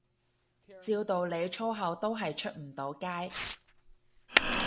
照道理粗口都係出唔到街